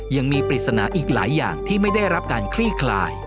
ยังมีปริศนาอีกหลายอย่างที่ไม่ได้รับการคลี่คลาย